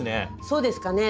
そうですかね？